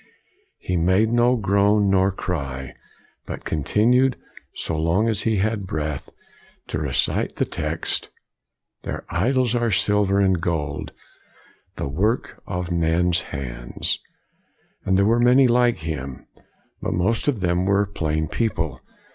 He made no groan nor cry, but continued, so long as he had breath, to recite the text, " Their idols are silver and gold, the work of men's hands. r And there were many like him; but most of them were plain people.